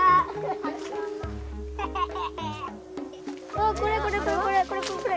あこれこれこれこれ。